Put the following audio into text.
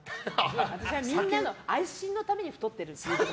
私はみんなの安心のために太ってる。